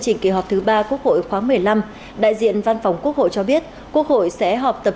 trình kỳ họp thứ ba quốc hội khóa một mươi năm đại diện văn phòng quốc hội cho biết quốc hội sẽ họp tập